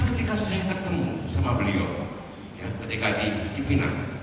tapi ketika saya ketemu sama beliau ya ketika di jepinan